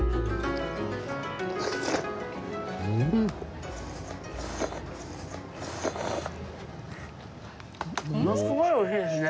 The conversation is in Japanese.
うーん！ものすごい美味しいですね。